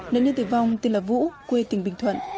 nạn nhân tử vong tên là vũ quê tỉnh bình thuận